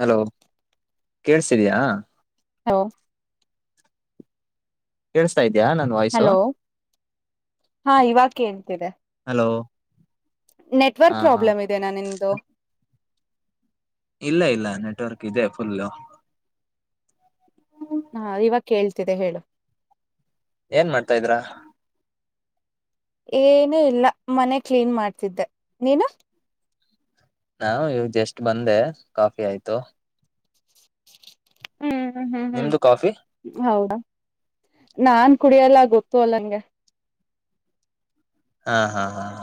Hello ಕೇಳ್ಸಿದಯಾ. ಹ. ಕೇಳಸ್ತಾಯ್ತು. ಇದ್ಯಾ ನನ್ ವಾಯ್ಸು ಹಲೋ ಹಾ ಇವಾಗ ಕೇಳ್ತಿದೆ ಹಲೋ. ನೆಟ್ವರ್ಕ್ ಹಾ ಹಾ ಪ್ರಾಬ್ಲಮ್ ಇದದೆನಾ ನಿದು. ಇಲ್ಲ ಇಲ್ಲ ನೆಟ್ವರ್ಕ್ ಇದೆ ಫುಲ್ಲ. ಸ್ಿದೆ ಹೇಳು. ಏನ್ ಮಾಡ್ತಾ ಇದ್ರ. ಏನುೂ ಇಲ್ಲ ಮನೆ ಕ್ಲೀನ್ ಮಾಡ್ತಿದ್ದೆ ನೀನು. ನಾ ಇವ ಜಸ್ಟ್ ಬಂದೆ ಕಾಫಿ ಆಯ್ತು. ಹ್ಮ್ ಹ್ಮ್ ಹ್ಮ್ ಹ್ಮ್ ನಿಮ್ದು ಕಾಫಿ ಹೌದಾ ನಾನ್ ಕುಡಿಯಲ್ಲ. ಗೊತ್ತ ಅಲ್ಲಂಗೆ. ಹಾ ಹಾ ಹಾ ಹ.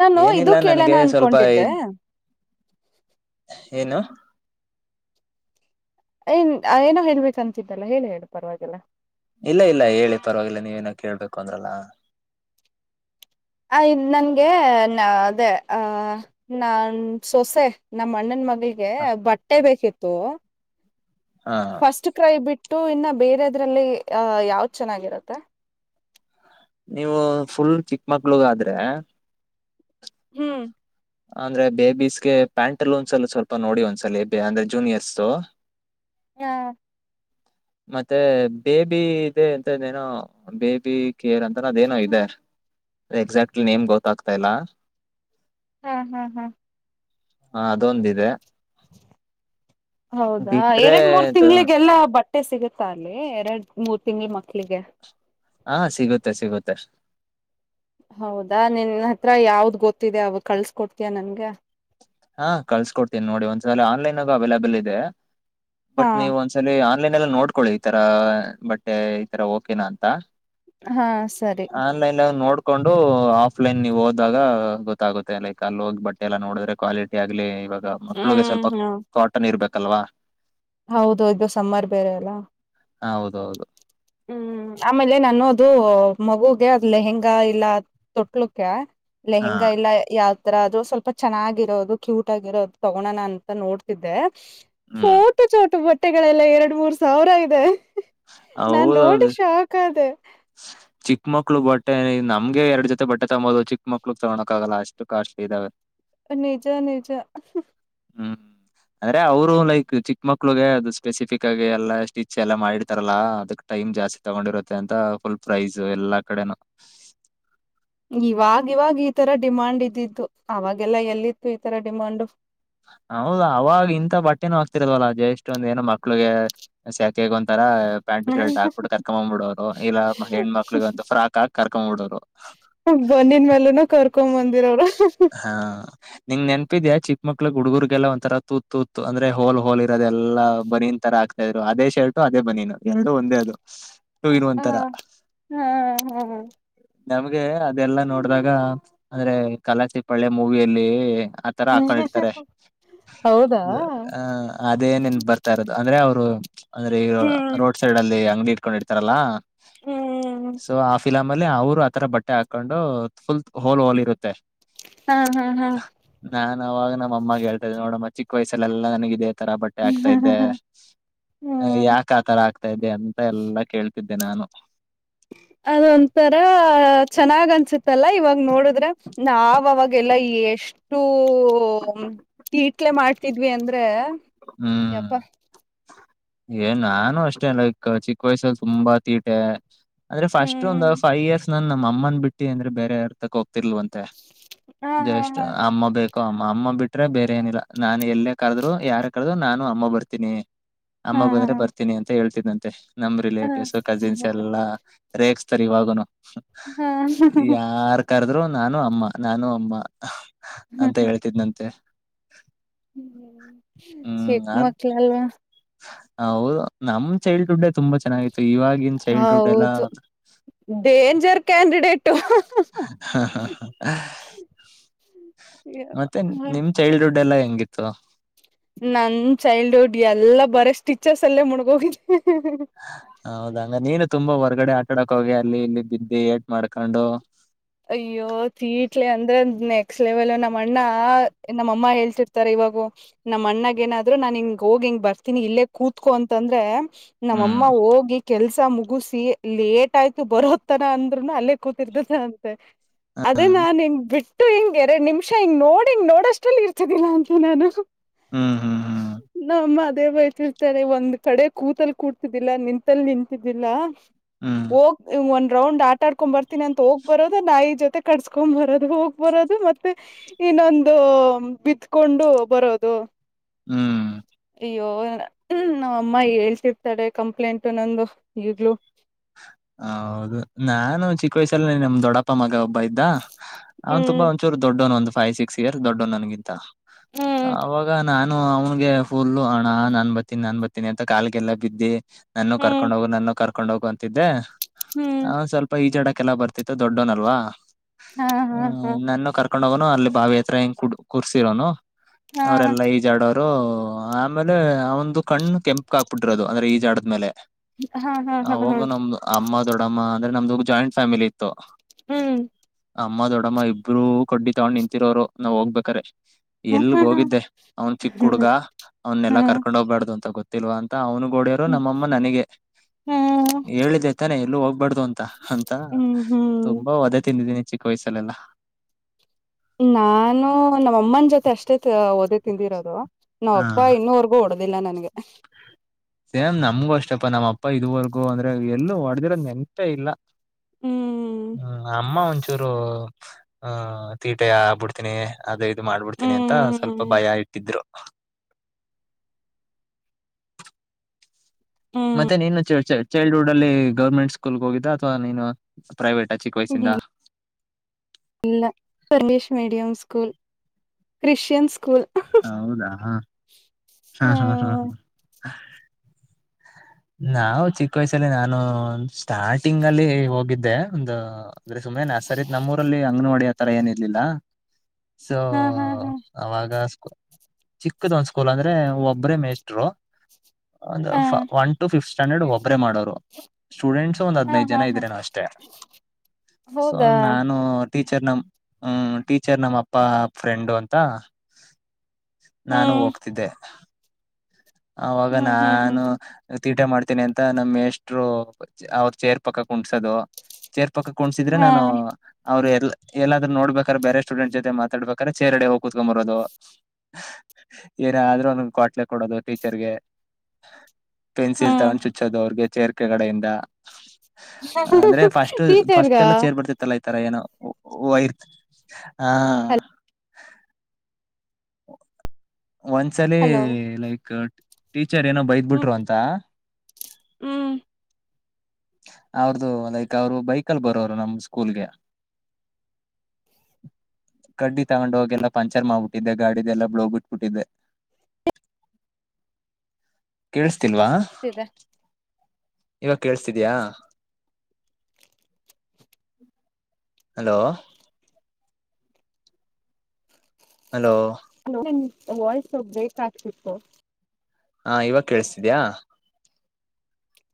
ನಾನು ಇದು ಕೇಳೋಣ ನನಗೆ ಸ್ವಲ್ಪ ಅನ್ಕೊಂಡಿದ್ದೆ. ಏನು. ಏನ್ ಏನೋ ಹೇಳ್ಬೇಕಂತಿದ್ದಲ್ಲ ಹೇಳಿ ಹೇಳ ಪರವಾಗಿೆಲ್ಲ. ಇಲ್ಲ ಇಲ್ಲ ಹೇಳಿ ಪರವಾಗಿಲ್ಲ ನೀವೇನ ಕೇಳ್ಬೇಕು ಅಂದ್ರಲ್ಲ. ಆ ಇ ನನ್ಗೆ ಅದೇ ಅ ನಾನ್ ಸೊಸೆ ನಮ್ಮ ಅಣ್ಣನ್ ಮಗ. ಬಟ್ಟೆ ಬೇಕಿತ್ತು ಹಾ ಫಸ್ಟ್ ಕ್ರೈ ಬಿಟ್ಟ. ು ಇನ್ನ ಬೇರೆದ್ರಲ್ಲಿ ಅಹ ಯಾವ್ದ್ ಚೆನ್ನಾಗಿರುತ್ತೆ. ನೀವು ಫುಲ್ ಚಿಕ್ಮಗ್ಳಗ ಆದ್ರೆ ಹ್ಮ್. ಅಂದ್ರೆ ಬೇಬೀಸ್ಗೆ ಪ್ಯಾಂಟ್ ಲೂನ್ಸ್ಲ್ಲ ಸ್ವಲ್ಪ ನೋಡಿ ಒಂದ್ಸಲ ಅಂದ್ರೆ ಜೂನಿಯರ್ಸ್ು. ಹಾ. ಮತ್ತೆ ಬೇಬಿ ಇದೆ ಅಂತೇನೋ ಬೇಬಿ ಕೇರ್ ಅಂತನದ ೇನೋ ಇದೆ. ಎಕ್ಸಾಕ್ಟ್ಲಿ ನೇಮ್ ಗೊತ್ತಾಗ್ತಾ ಇಲ್ಲ. ಹ್ಮ್ ಹ್ಮ್ ಹ್ಮ್. ಹಾ ಅದೊಂದಿದೆ. ಹೌದಾ ಬಿಟ್ರೆ ಎರಡ್ ಮೂರ್ ಇದು ತಿಂಗಳಿಗೆಲ್ಲ ಬಟ್ಟ. ಮೆ ಸಿಗುತ್ತ ಅಲ್ಲಿ ಎರಡು ಮೂರ್ ತಿಂಗಳ ಮಕ್ಳಿಗೆ. ಹಾ ಸಿಗುತ್ತೆ ಸಿಗುತ್ತೆ ಹೌದಾ ನಿನ್ ಹತ್ರ ಯಾವ್ದ್ ಗೊತ್ತಿದೆ ಅವ ಕಳ್ಸ್ಕ ಕೊಡ್ತಯ ನನ್ಗ ಹಾ ಕಳ್ಸ್ಕೊಡ್ತೀನಿ ನೋಡಿ ಒಂದ್ಸಲ ಆನ್ಲೈನ್ಗೂ ಅವೈಲಬಲ್ ಇದೆ ಹಾ ಬಟ್ ನೀವು ಒಂದ್ಸಲ ಲೈನ್ ಎಲ್ಲ ನೋಡ್ಕೊಳ್ಳಿ ಈ ತರ ಬಟ್ಟೆ ಈ ತರ ಓಕೆನಾ ಅಂತ ಹಾ ಸರಿ ಆನ್ಲೈನ್ ನೋಡ್ ಹಕೊಂಡು ಆಫ್ಲೈನ್ ನೀವು ಹೋದಾಗ ಗೊತ್ತಾಗುತ್ತೆ ಲೈಕ್ ಅಲ್ಲಿ ಹೋಗಿ ಬಟ್ಟೆ ಎಲ್ಲಾ ನೋಡಿದ್ರೆ ಕ್ವಾಲಿಟಿ ಆಗ್ಲಿ ಇವಾಗ ಮಕ್ಳಿಗೆ ಹ್ಮ್ ಸ್ವಲ್ಪ ಹಾ ಕಾಟನ್ ಇರ್ಬೇಕಲ್ವಾ ಹೌದು ಇದು ಸಮ್ಮರ್ ಬೇರೆ ಎಲ್ಲ ಹ ಹೌದೌದು ಹ್ಮ್ ಆಮೇಲೆ ನನ್ನೋದು ಮಗುಗೆ ಅದ್ ಲೆಹೆಂಗಾ ಇಲ್ಲ ತೊಟ್ಲಕ್ಕೆ ಹಾ ಲೆಹೆಂಗಾ ಇಲ್ಲ ಯಾವ ಆರ ಅದು ಸ್ವಲ್ಪ ಚೆನ್ನಾಗಿರೋದು ಕ್ಯೂಟ್ ಆಗಿರೋದು ತಗೋಳೋಣ ಅಂತ ನೋಡ್ತಿದ್ದೆ ಟು ಹ್ಮ್ ಚೋಟ ಬಟ್ಟೆಗಳೆಲ್ಲ ಎರಡು ಮೂರ್ ಸಾವಿರ ಇದೆ ನಾು ನೋಡಿ ಶಾಕ್ ಅದೇ ಹ ಚಿಕ್ಕ ಮಕ್ಳಗ್ ಬಟ್ಟೆ ನಮ್ಗೆ ಎರಡು ಜೊತೆ ಬಟ್ಟೆ ತಗೋದು ಚಿಕ್ಕ ಮಕ್ಳಗ್ ತಗೊೋಕ್ಗಲ್ಲ ಅಷ್ಟು ಕಾಸ್ಟ್ಲಿ ಇದಾವೆ ನಿಜ ನಿಜ ಹ್ಮ ಅಂದ್ರೆ ಅವರು ಲೈಕ್ ಚಿಕ್ಕ ಮಕ್ಳಗೆ ಅದು ಸ್ಪೆಸಿಫಿಕ್ ಆಗಿ ಎಲ್ಲಾ ಸ್ಟಿಚ್ ಎಲ್ಲಾ ಮಾಡಿಡ್ತಾರಲ್ಲಾ ಅದಕ್ ಜಾಸ್ತಿ ತಗೊಂಡಿರುತ್ತೆ ಅಂತ ಫುಲ್ ಪ್ರೈಸ್ ಎಲ್ಲಾ ಕಡೆನು ಇವಾಗ ಇವಾಗ ಈ ತರ ಡಿಮಾಂಡ್ ಇದ್ದಿದ್ದು ಅವಾಗೆಲ್ಲ ಎಲ್ಲಿತ್ತು ಈ ತರ ಡಿಮಾಂಡು ಹೌದ ಅವಾಗ ಇಂತ ಬಟ್ಟೆನ ಹಾಕ್ತಿರದವಲ್ಲ ಜಷ್ಟ್ ಒಂದ ಏನೋ ಮಕ್ಳಿಗೆ ಕಗ ಒಂರ ಪ್ಯಾಂಟ್ ಶರ್ಟ್ ಹಾಕ್ಬಿಟ್ಟ ಕರ್ಕೊ್ ಬಿಡೋ ಇಲ್ಲ ಹೆಣ್ಣ್ಮಕ್ಳಗಂತ ಫ್ರಾಕ್ ಕರ್ಕ್ಂಬ ಬಿಡೋರು ಹ ಬನ್ನನ್ ಮೇಲೂನು ಕರ್ಕೊ ಬಂದಿರ ಅವರು ಹಾ ನಿಂಗ ನೆನಪಿದ್ಯಾ ಚಿಕ್ಕ ಮಕ್ಳಗ್ ಹುಡುಗುರ್ರಿಗೆಲ್ಲ ಒಂತರ ತೂತ್ ತೂತ ಅಂದ್ರ ಹೋಲ್ ಹೋಲ್ ಇರದೆಲ್ಲ ಬನಿ ತರ ಆತಾ ಇದ್ರು ಅದೇ ಶ ಅದೇ ಬನ್ನಿ ನ ಎ ಒಂದೇ ಅದು ಟೂ ಇನ್ ಒನ್ ಹ ತರ ಹ್ಮ್ ಹ್ಮ್ ನಮ್ಗೆ ಅದೆಲ್ಲಾ ನೋಡಿದಾಗ ಅಂದ್ರೆ ಕಲಾಸಿ ಪಳೆ ಮೂವಿಯಲ್ಲಿ ಆತರ ಹಕಳಿಡ್ತಾರೆ ಹೌದಾ ಅ ಅದೇನೇನ್ ಬರ್ತಾ ಇರೋದು ಅಂದ್ರೆ ಅವ್ರು ಅಂದ್ರೆ ಈ ಹ್ಮ್ ರೋಡ್ ಸೈಡ್ ಅಲ್ಲಿ ಅಂಗಡಿ ಕೊಂಡಿತಾರಲ್ಲ ಹ್ಮ್ ಸೊ ಆಫಿಲ ಆಮೇಲೆ ಅವ್ರು ಆತರ ಬಟ್ಟೆ ಹಾಕೊಂಡು ಫುಲ್ ಹೋಲ್ ಹೋಲ್ ಇರುತ್ತೆ ಹಾ ಹಾ ಹಾ ನಾ ಅವಾಗ ನಮ್ಮ ಅಮ್ಮಗೆ ಹೇಳ್ತಾ ನೋಡಮ್ಮ ಚಿಕ್ಕ ವಯ್ಸಲ್ಲೆಲ್ಲಾ ನನಗಿದೆ ಆ ತರ ಬಟ್ಟೆ ಆಗ್ತಾ ಇದೆ ಹ್ಮ್ ಯಾಕ ಆ ತರ ಆಗ್ತಾ ಇದೆ ಅಂತ ಎಲ್ಲಾ ಕೇಳ್ತಿದ್ದೆ ನಾನು ಅದೊಂಂತರ ಚೆನ್ನಾಗ್ ಅನ್ಸತ್ತಲ್ಲಾ ಇವಾಗ ನೋಡಿದ್ರೆ ಆವಾಗೆಲ್ಲಾ ಎಷ್ಟ ಅಷ್ಟು ಈಟ್ಲೆ ಮಾಡ್ತಿದ್ವಿ ಅಂದ್ರೆ ಹ್ಮ್ ಯಪ್ಪಾ ಏನ ನಾನು ಅಷ್ಟೇ ಲೈಕ್ ಚಿಕ್ಕ ವಯಸ್ಸಲ್ಲಿ ತುಂಬಾ ತೀಟೆ ಅಂದ್ರೆ ಫಸ್ಟ್ ಒಂದು ಹ್ಮ್ ಫೈವ ಇಯರ್ಸ್ ನನ್ ನಮ್ಮ ಅಮ್ಮನನ್ ಬಿಟ್ಟ ಅಂದ್ರೆ ಬೇರೆ ಯಾರ್ ತ ಹೋಗ್ ರ್ವ ಅಂತೆ ಹಾ ಹಾ ಜಸ್ ಹಾ ಅಮ್ಮ ಬೇಕೋ ಅಮ್ಮ ಅಮ್ಮ ಬಿಟ್ರೆ ಬೇರೆ ಏನಿಲ್ಲ ನಾನನ್ ಎಲ್ಲೇ ಕರೆದ್ರು ಯಾರ ಕರೆದ್ರು ನಾನು ಅಮ್ಮ ಬರ್ತೀನಿ ಅಮ್ಮ ಹಾ ಬಂದ್ರೆ ಹಾ ಬರ್ತೀನಿ ಅಂತ ಹೇಳ್ತಿದ್ಂತೆ ನಮ್ ಹಾ ರಿಲೇಟಿವ್ಸ್ ಕಜಿನ್ಸ್ ಎಲ್ಲಾ ರೇ ಸರಿ ಇವಾಗನು ಹಾ ಯಾರ್ ಕರೆದ್ರರು ನಾನು ಅಮ್ಮ ನಾನು ಅಮ್ಮ ಅಂತ ಹೇಳ್ತಿದ್ನಂತೆ ಹ್ಮ್ ಅದ್ ಶಿಪ್ಮಕ್ಲಲ್ ಹೌದು ನಮ್ ಚೈಲ್ಡ್ಹುಡ್ ತುಂಬಾ ಚೆನ್ನಾಗಿತ್ತು ಇವಾಗಿನ ಚೈಲ್ಡ್ಹುಡ್ ಎಲ್ಲಾ ಜರ್ ಕ್ಯಾಂಡಿಡೇಟು ಮತ್ತೆ ನಿಮ್ ಚೈಲ್ಡ್ಹುಡ್ ಎಲ್ಲ ಹೆಂಗಿತ್ತು ನನ್ ಚೈಲ್ಡ್ಹುಡ್ ಎಲ್ಲಾ ಬರ ಸ್ಟಿಚರ್ಸ್ ಅಲ್ಲೇ ಮುಣಗ ಹೋಗಿದನಿ ಹೌದಂಗ ನೀನು ತುಂಬಾ ಹೊರ್ಗಡೆ ಆ ಡಕ್ ಹೋಗಿ ಅಲ್ಲಿ ಇಲ್ಲಿ ಬಿದ್ದಿ ಏಟ್ ಮಾಡ್ಕೊಂಡು ಅಯ್ಯೋತ್ ಇಟ್ಲಿ ಅಂದ್ರ ಅಂದ್ ನೆ ಲೆವೆಲ್ ನಮ್ಮ ಅಣ್ಣ ನಮ್ಮ ಅಮ್ಮ ಹೇಳ್ತಿರ್ತಾರೆ ಇವಾಗ ನಮ್ಮ ಅಣ್ಣಗ ಏನಾದ್ರು ನಾನ್ ಹಿಂಗ ಹೋಗಿ ಬರ್ತನಿ ಇಲ್ಲೇ ಕೂತ್ಕೊ ಅಂತಂದ್ರೆ ನಮ್ಮಮ್ಮ ಹ್ಮ್ ಹೋಗಿ ಕೆಲ್ಸ ಸ ಮುಗುಸ ಲೇಟ್ ಆಯ್ತು ಬರೋದತರ ಅಂದ್ರುನು ಅಲ್ಲೇ ಕೂತಿರ್ತದ ಅಂತೆ ಅದೇ ನಾನ್ ಹೆಂಗ್ ಬಿಟ್ಟ ಇ ಹಿಂಗೆ ಎರಡ್ ನಿಮಿಷ ಹಿಂಗ ನೋಡಿ ಹಿಂಗ ನೋಡ್ ಅಷ್ಟಲ್ಲಿ ಇರ್ತದಿಲ್ಲ ಅಂಕೆ ನಾನು ಹ್ಮ್ ಹ್ಮ್ ಹ್ಮ್ ದೇವತಿಳ್ತಾರೆ ಒಂದ್ ಕಡೆ ಕೂತಲ್ ಕೂಡ್ತಿದ್ದಿಲ್ಲ ನಿಂತಲ್ಲಿ ನಿಂತಿದ್ದಿಲ್ಲ ಹ್ಮ್ ಹೋಗ್ ಒಂದ್ ರೌಂಡ್ ಆಟ ಆಡ್ಕೊಂಡ್ ಬರ್ತೀನಿ ಅಂತ ಹೋಗ್ ಬರೋದು ನಾಯಿ ಜೊತೆ ಕಡಸ್ಕೊಂಡ್ ಬರೋದು ಹೋಗ್ ಬರೋದು ಮತ್ತೆ ಇನ್ನೊಂದು ಬಿತ್ಕೊಂಡ ಕೊಂಡು ಬರೋದು ಹ್ಮ್ ಅಯ್ಯೋ ಹ ನಾವ ಅಮ್ಮ ಹೇಳ್ತಿರ್ತಾಳ ಕಂಪ್ಲೇಂಟ್ ನಂದು ಈಗ್ಲೂ ಹೌದು ನಾನು ಚಿಕ್ಕ ವಯಸ್ಸಲ್ಲಿ ನಮ ದೊಡ್ಡಪ್ಪ ಮಗ ಒಬ್ಬ ಬ ಇದ್ದ ಅವನ್ ತುಂಬಾ ಹ್ಮ್ ಒಂಚೂರು ದೊಡ್ಡವಣ ಒಂದು ಫೈವ್ ಸಿಕ್ಸ್ ಇಯರ್ ದೊಡ್ಡವಣ ನನ್ಗಿಂತ ಹ್ಮ್ ಅವಾಗ ನಾನ ನಾನು ಅವನ್ಗೆ ಫುಲ್ಲ ಹಣ ನನ್ ಬತೀನಿ ನನ್ ಬತೀನಿ ಅಂತ ಕಾಲಿಗೆಲ್ಲ ಬಿದ್ದಿ ನಾನು ಹ್ಮ್ ಕರ್ಕೊಂಡ್ ಹೋಗು ನನ್ನು ಕರ್ಕೊಂಡ್ ಹೋಗು ಅಂತಿದ್ದೆ ಹ್ಮ್ ಅವಂದ ಸ್ವಲ್ಪ ಈಜಾಡ ಕೆಲ್ಲ ಬರ್ತಿತ್ತು ದೊಡ್ಡೋನಲ್ವಾ ಹಾ ಹಾ ಹಾ ನನ್ ಕರ್ಕೊಂಡ್ ಕಕೊಂಡ್ ಹೋಗನು ಅಲ್ಲಿ ಬಾವಿ ಹತ್ರ ಹೆಂಗ ಕುರ್ಸಿರೋನು ಹಾ ಅವರೆಲ್ಲ ಈ ಜಾಡ ಆಮೇಲೆ ಆ ಒಂದು ಕಣ್ಣು ಕೆಂಪಕ್ ಹಾಕ್ಬಿಟ್ಟಿರೋದು ಅಂದ್ರೆ ಈಜಾಡದ್ಮೇಲೆ ಹಾ ಹಾ ಹಾ ಹಾ ನಮ್ದ ಅಮ್ಮ ದೊಡ್ಡಮ್ಮ ಅಂದ್ರೆ ನಮ್ದ ಜಾಯಿಂಟ್ ಫ್ಯಾಮಿಲಿ ಇತ್ತು ಹ್ಮ್ ಅಮ್ಮ ದೊಡ್ಡಮ್ಮ ಇಬ್ರು ಕಡ್ಡಿ ತೊಗೊಂಡ್ ನಿಂತಿರೋರು ನಾವ್ ಹೋಗ್ಬೇಕಾರೆ ಹಾ ಎಲ್ಗ ಹಾ ಹೋಗಿದ್ದೆ ಅವ್ನ್ ಚಿಕ್ಕ ಹಾ ಹುಡ್ಗ ಹಾ ಅವ್ನ್ನೆಲ್ಲಾ ಕರ್ಕೊಂಡ್ ಹೋಗ್ಬಾರ್ದು ಅಂತ ಗೊತ್ತಿಲ್ವಾ ಅಂತ ಅವ್ನು ಗೋಡರು ಹ್ಮ್ ನಮ್ಮಮ್ಮ ನನಗೆ ಹ್ಮ್ ಹೇಳಿದೆೈತಾನೆ ಎಲ್ಲೂ ಹೋಗ್ಬಾರ್ದ ಅಂತ ಅಂತ ಹ್ಮ್ ಹ್ಮ್ ತುಂಬಾ ಒದೆೆ ತಿಂದಿದ್ದೀನಿ ಚಿಕ್ಕ ವಯಸ್ಸಲ್ಲೆಲ್ಲ ನಾನು ನಮ್ಮ ಅಮ್ಮನ ಜೊತೆ ಅಷ್ಟೇ ಓದ ತಿಂದಿರೋದು ನಾವ ಹಾ ಅಪ್ಪ ಇನ್ನೂವರ್ಗೂ ಹೊಡದಿಲ್ಲ ನನ್ಗೆ ಸೇಮ್ ನಮ್ಗು ಅಷ್ಟಪ್ಪಾ ನಮ್ಮ ಅಪ್ಪ ಇದುವರೆಗೂ ಅಂದ್ರೆ ಎಲ್ಲೂ ಹೊಡೆದಿರೋದ್ ನೆನ್ಪೇ ಇಲ್ಲ ಹ್ಮ್ ಹ್ಮ್ ಅಮ್ಮ ಒಂಚ ರು ಆಹ ತೀಟೆಬ ಬಿಡ್ತೀನಿ ಅದ ಇದು ಮಾಡ್ಬಿಡ್ತೀನಿ ಅಂತ ಸ್ವಲ್ಪ ಹ್ಮ್ ಭಯ ಇಟ್ಟಿದ್ರು ಹ್ಮ್ ಮತ್ತೆ ನೀನು ಚ ಚೈಲ್ಡ್ಹುಡ್ ಅಲ್ಲಿ ಗೌರ್ಮೆಂಟ್ ಸ್ಕೂಲ್ಗೆ ಹೋಗಿದ್ದ ಅಥವಾ ನೀನು ಪ್ರೈವೇಟ್ ಚಿಕ್ಕ ವಯಸ್ಸಿಂದ ಇಲ್ಲ ಇಲ್ಲ ಇಂಗ್ಲೀಷ್ ಮೀಡಿಯಂ ಸ್ಕೂಲ್ ರಿಶಿಯನ್ ಸ್ಕೂಲ್ ಹೌದಾ ಹಾ ಹಾ ಹ ಹಾ ಹಾ [inaudible] ನಾವು ಚಿಕ್ಕ ವಯಸಲ್ಲಿ ನಾನು ಸ್ಟಾರ್ಟಿಂಗ್ ಅಲ್ಲಿ ಹೋಗಿದ್ದೆ ಒಂದು ಅಂದ್ರೆ ಸುಮ್ಮನೆ ಸರೀದ್ ನಮ್ಮರಲ್ಲಿ ಅಂಗನವಾಡಿ ಆತರ ಏನ ಇರ್ಲಿಲ್ಲ ಸೊ ಹಾ ಹಾ ಹಾ ಅವಾಗ ಚಿಕ್ಕದ ಒಂದ ಸ್ಕೂಲ್ ಅಂದ್ರೆ ಒಬ್ಬ್ರೇ ಮೇಸ್ರು ಒಂದ ಹ ಒನ್ ಟು ಫಿಫ್ತ್ ಸ್ಟ್ಯಾಂಡರ್ಡ್ ಒಬ್ಬ್ರೇ ಮಾಡೋರು ಸ್ಟೂಡೆಂಟ್ಸ ಒಂದ್ ಹಾ ಹದ್ನೈದು ಹಾ ಜನ ಹಾ ಇದ್ರೆ ನಾವ ಅಷ್ಟೇ ಸೊ ಹೌದಾ ನಾನು ಟೀಚರ್ ನಮ ಹ್ಮ ಟೀಚರ್ ನಮ್ಮ್ ಅಪ್ಪ ಫ್ರೆಂಡು ಅಂತ ನಾನು ಹ್ಮ್ ಹೋಗ್ತಿದ್ದೆ ಅವಾಗ ಹ್ಮ್ ಹ್ಮ್ ಹ್ಮ್ ನಾನು ಹ್ಮ್ ತೀಟ ಮಾಡ್ತೇನಿ ಅಂತ ನಮ್ಮ್ ಎಷ್ಟರು ಅವ್ರ ಚೇರ್ ಪಕ್ಕಕ್ ಕುಣ್ಸೋದು ಚೇರ್ ಪಕ್ಕ ಕೊಂಡ್ಸಿದ್ರೆ ಹಾ ನಾನು ಅವರು. ಏನಾದ್ರೂ ನೋಡ್ಬೇಕಾದ್ರ ಬೇರೆ ಸ್ಟೂಡೆಂಟ್ೊತೆತಡ್ಬೇಕಾದ್ರ ಚೇರ್ಡೆ ಹೋಗ ಕೂತ್ಕೊಂಬರೋದು. ಏನಾದ್ರೂ ಒನ್ ಕೊಟ್ಲೆ ಕೊಡೋದು ಟೀಚರ್ಗೆ. ಪೆನ್ಸಿಲ್ ಹ್ಮ್ ತಗೊಂಡು ಚುಚ್ಚೋದು ಅವ್ರಿಗೆ ಚೇರ್ಕೆ ಕಡೆಯಿಂದ. ಅಂದ್ರೆ ಫಸ್ಟ್ ಟೀಚರ್ಗ ಫಸ್ಟ್ ಎಲ್ಲ ಚೇರ್ ಬರ್ತಿತ್ತಲ್ಲ. ತರ ಏನೋ [unintelligible] ಹಾ. ಒನ್ಸಲ್ಲಿ ಹಲೋ ಲೈಕ್. ಟಿಚರ್ ಏನೋ ಬೈದ ಹ್ಮ್ ಬಿಟ್ರು ಅಂತ. ಹ್ಮ್ ಅವ್ರದುು ಲೈಕ್ ಅವರು ಬೈಕಲ್ಲಿ ಬರೋರು ನಮ ಸ್ಕೂಲ್ಗೆ. ಕಡ್ಡಿ ತಗೊಂಡ ಹೋಗೆಲ್ಲ ಪಂಚರ್ ಮಾಡ್ಬಿಟ್ಟಿದ್ದೆ. ಗಾಡಿದ ಎಲ್ಲ ಬ್ಲೂ ಬುಟ್ಬುಟಿದ್ದೆ. ಕೇಳಸ್ತಿಲ್ವಾ. ಇದೆ ಇವಾಗ ಕೇಳಸ್ತಿದಯಾ. ಹಲೋ. ಹಲೋ. ನಿಮ್ ವಾಯ್ಸ್ ಬ್ರೇಕ್ ಆಗ್ತಿತ್ತು. ಹಾ ಇವಾಗ ಕೇಳಸ್ತಿದ್ಯಾ.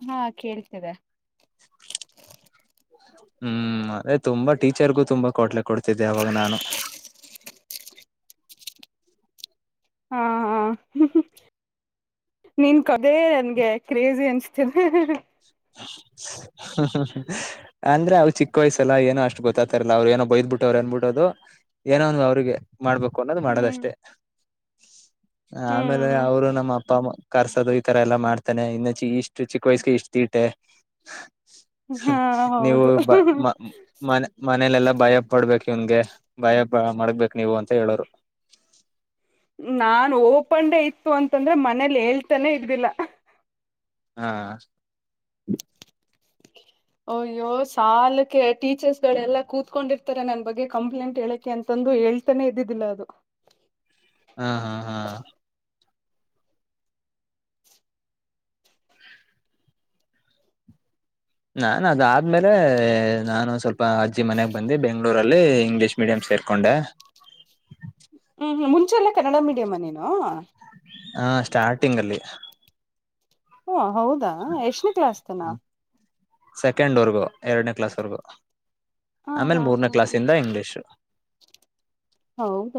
ಹಾ ಕೇಳ್ತಿದೆ. [inaudible] ಹ್ಮ್ ಅದೇ ತುಂಬಾ ಟೀಚರ್ಗು ತುಂಬಾ ಕ್ವಾಟ್ಲೆ ಕೊಡ್ತಿದ್ದೆ ಅವಾಗ ನಾನು. ಹ್ಮ [inaudible] ಹಾ ಹಾ ಬ್ರೋ. ನಿನ್ ಕದೇ ನನ್ಗೆ ಕ್ರೇಜಿ ಅನಿಸ್ತಿದೆ. ಅಂದ್ರೆ ಅವ ಚಿಕ್ಕ ವಯಸ್ಸಲ್ಲ ಏನೋ ಅಷ್ಟು ಗೊತ್ತಾತಾರಲ್ಲ ಅವ್ರು ಏನೋ ಬಯ ಬಿಟ್ಟೋರ ಅನ್ಬಿಟ್ಟು ಅದು ಏನೋ ಒಂದು ಅವ್ರಿಗೆ ಮಾಡ್ಬೇಕು ಅನ್ನೋದು ಹ್ಮ್ ಮಾಡೋದಷ್ಟೇ. ಆಮೇಲೆ ಹ್ಮ್ ಅವ್ರು ನಮ್ಮ ಅಪ್ಪ ಕರ್ಸೋದು ಈತರ ಎಲ್ಲಾ ಮಾಡ್ತಾನನೆ ಇನ್ನು ಚಿ ಇಷ್ಟು ಚಿಕ್ಕ ವಯಸ್ಗೆ ಇಷ್ಟ. ಟೆ ಹಾ ನೀವು ಹೌದು ಮ ಮನೇಲೆೆಲ್ಲ. ಭಯ ಪಡ್ಬೇಕು ಇವನ್ಗೆ ಭಯ ಪ ಮಾಡಬೇಕ ನೀವು ಅಂತ ಹೇಳೋರು. ನಾನ್ ಓಪನ್ ಇತ್ತು ಅಂತಂದ್ರೆ ಮನೇಲಿ ಹೇಳ್ತಾನೆ ಇರ್ಲಿಲ್ಲ. ಹಾ. ಅಯ್ಯೋ ಸಾಲಕ್ಕೆ ಟೀಚರ್ಸ್ ಗಳೆಲ್ಲಾ ಕೂತ್ಕೊಂಡಿರ್ತಾರ ನನ್ ಬಗ್ಗೆ ಕಂಪ್ಲೇಂಟ್ ಹೇಳಕ್ಕೆೆ ಅಂತಂದ್. ಅದು ಹೇಳ್ತಾನೆ ಇದ್ದಿದ್ದಿಲ್ಲ ಅದು. ಹಾ ಹಾ ಹಾ. ನಾನು ಅದ ಆದ್ಮೇಲೆ ನಾನು ಸ್ವಲ್ಪ ಅಜ್ಜಿ ಮನೆಯಾಗ ಬಂದ ಬೆಂಗ್ಳೂರಲ್ಲಿ ಇಂಗ್ಲೀಷ್ ಮೀಡಿಯಂ. ಸೇರ್ಕೊಂಡೆ. ಹ್ಮ ಮುಂಚೆಲ್ಲೇ ಕನ್ನಡ ಮೀಡಿಯಮ್ಮನನು. ಹಾ ಸ್ಟಾರ್ಟಿಂಗ್ ಅಲ್ಲಿ. ಹಓ ಹೌದಾ ಎಷ್ಟ ಕ್ಲಾಸ್ತನ. ಸೆಕೆಂಡ್ವರ್ಗೂ ಎರಡನೇ ಕ್ಲಾಸ್ ವರ್ಗೂ ಹಾ ಆಮೇಲೆ ಹಾ ಮೂರ್ನೇ ಹಾ ಕ್ಲಾಸ್ ಇಂದ ಇಂಗ್ಲಿಷು. ಹೌದ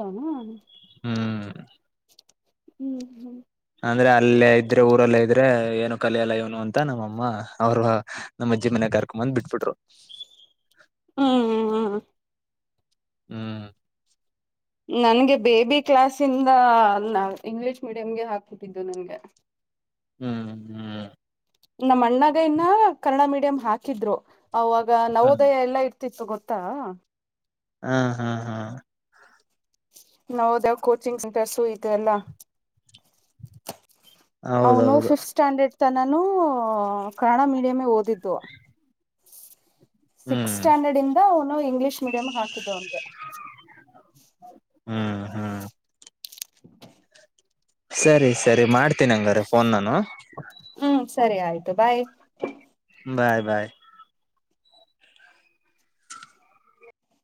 ಹ್ಮ್. ಹ್ಮ್ ಹ್ಮ್. ಅಂದ್ರೆ ಅಲ್ಲೇ ಇದ್ರೆ ಊರಲ್ಲೇ ಇದ್ರೆ ಏನು ಕಲಿಯಲ್ಲ ಇವನು ಅಂತ ನಮ್ಮಮ್ಮ ಅವರು ನಮ್ಮ ಅಜ್ಜಿ ಮನೆ. ಕರ್ಕೊ ಬಂದ್ ಬಿಟ್ಬಿಟ್ರು. ಹ್ಮ್ ಹ್ಮ್ ಹ್ಮ್. ನನ್ಗೆ ಬೇಬಿ ಕ್ಲಾಸಿಂದ ಇಂಗ್ಲಿಷ್ ಮೀಡಿಯಂ ಹಾಕ್ಬಿಟ್ಟಿದ್ದು ನನ್ಗೆ. ಹ್ಮ್ ಹ್ಮ್. ನಮ್ಮ್ ಅಣ್ಣಗೈನ್ನ ಕನ್ನಡ ಮೀಡಿಯಂ ಹಾಕಿದ್ರು ಅವಾಗ ಹ್ಮ್ ನವೋದಯ ಎಲ್ಲಾ ಇ. ತ್ತಿತ್ತು ಗೊತ್ತಾ. ಹ್ಮ್ ಹಾ ಹಾ. ಹೌದ ಕೋಚಿಂಗ್ ಸೆಂಟರ್ಸು ಇದೆ ಎಲ್ಲಾ ಅವನು ಹೌದೌದು ಫಿಫತ್ ಸ್ಟ್ಯಾಂಡರ್ಡ್ ತನ್ನಾನು ಕನ್ನಡ ಮೀಡಿಯೇಂ ಓದಿದ್ದು ಸಿಕ್ಸ್ ಹ್ಮ್ ಸ್ಟ್ಯಾಂಡರ್ಡ್ ಇಂದ ಅವನು ಇಂಗ್ಲಿಷ್ ಮೀಡಿಯಂ ಹಾಕಿದ್ದೆ ಅವನ್ಗೆ ಹ್ಮ್ ಹ್ಮ್ ಸರಿ ಸರಿ ಮಾಡ್ತೀನಿ ಹಂಗಾರೆ ಪೋನ್ ನಾನು ಹ್ಮ್ ಸರಿ ಆಯ್ತು ಬಾಯ್ ಬಾಯ್ ಬಾಯ್